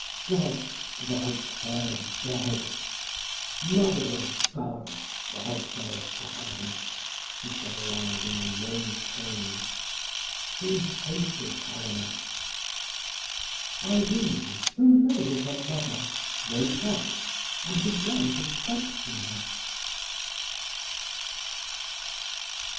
"God strike her dead! Mother of God, strike her down!" she said aloud, in a low tone. She hated Helena. Irene, who lay with her mother, woke up and began to question her.